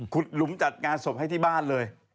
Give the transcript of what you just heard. หลุมจัดงานศพให้ที่บ้านเลย